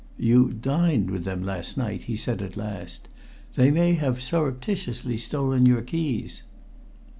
"You dined with them last night," he said at last. "They may have surreptitiously stolen your keys."